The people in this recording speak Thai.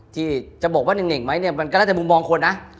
ที่จะบอกว่าเหน่งมันก็ได้จากมุมมองคนนะ